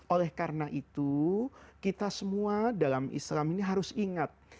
oleh karena itu kita semua dalam islam ini harus ingat